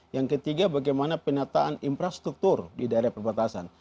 yang ketiga bagaimana penataan infrastruktur di daerah perbatasan